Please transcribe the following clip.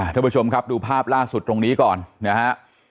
ท่านผู้ชมครับดูภาพล่าสุดตรงนี้ก่อนนะฮะ